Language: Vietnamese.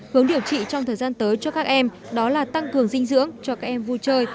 hướng điều trị trong thời gian tới cho các em đó là tăng cường dinh dưỡng cho các em vui chơi